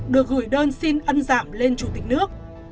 được gửi đơn xin ân giảm lên chủ tịch nước